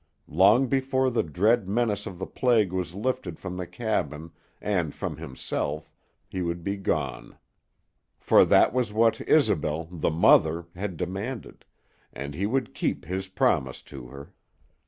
Long before the dread menace of the plague was lifted from the cabin and from himself he would be gone. For that was what Isobel, the mother, had demanded, and he would keep his promise to her.